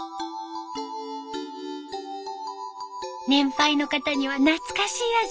年配の方には懐かしい味。